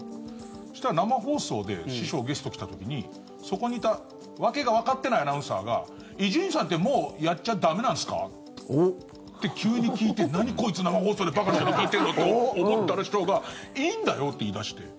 そうしたら、生放送で師匠がゲストに来た時にそこにいた訳がわかってないアナウンサーが伊集院さんって、もうやっちゃ駄目なんですか？って急に聞いて何こいつ、生放送で馬鹿なこと聞いてんのって思ったら師匠がいいんだよって言い出して。